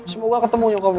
semoga ketemu nyokap lo